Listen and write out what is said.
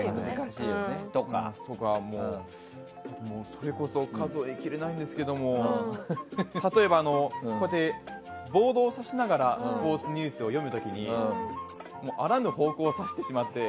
それこそ数えきれないんですけども例えば、ボードを指しながらスポーツニュースを読む時にあらぬ方向を指してしまって。